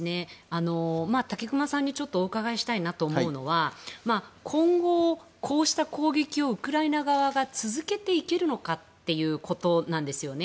武隈さんにお伺いしたいなと思うのは今後、こうした攻撃をウクライナ側が続けていけるのかということなんですね。